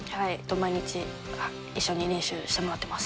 毎日一緒に練習してもらってます。